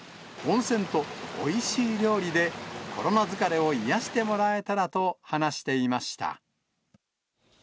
温泉とおいしい料理で、コロナ疲れを癒やしてもらえたらと話していました。